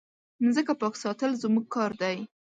مځکه پاک ساتل زموږ کار دی.